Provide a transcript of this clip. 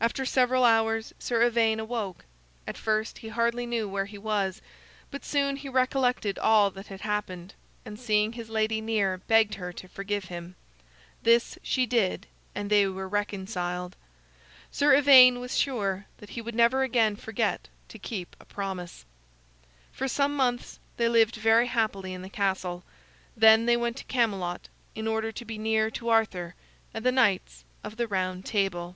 After several hours, Sir Ivaine awoke. At first he hardly knew where he was, but soon he recollected all that had happened, and seeing his lady near, begged her to forgive him. This she did, and they were reconciled. Sir Ivaine was sure that he would never again forget to keep a promise. For some months they lived very happily in the castle. Then they went to Camelot in order to be near to Arthur and the Knights of the Round Table.